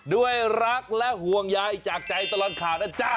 ด้วยรักและห่วงใยจากใจตลอดข่าวนะจ๊ะ